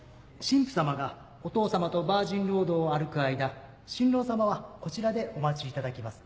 新婦様がお父様とバージンロードを歩く間新郎様はこちらでお待ちいただきます。